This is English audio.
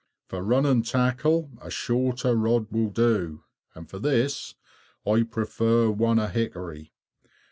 For running tackle a shorter rod will do, and for this I prefer one of hickory.